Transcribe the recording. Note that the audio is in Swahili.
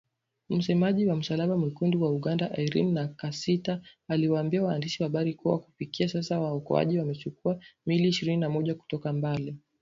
Msemaji wa Msalaba Mwekundu wa Uganda Irene Nakasita aliwaambia waandishi wa habari kuwa kufikia sasa waokoaji wamechukua miili ishirini na moja kutoka Mbale